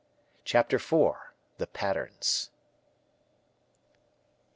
Chapter IV. The Patterns.